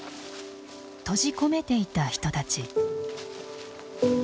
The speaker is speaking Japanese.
閉じ込めていた人たち。